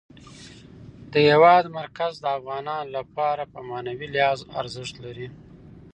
د هېواد مرکز د افغانانو لپاره په معنوي لحاظ ارزښت لري.